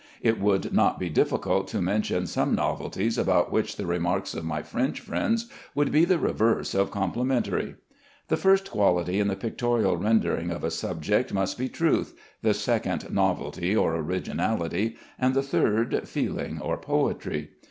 It would not be difficult to mention some novelties about which the remarks of my French friends would be the reverse of complimentary. The first quality in the pictorial rendering of a subject must be truth, the second novelty or originality, and the third feeling or poetry.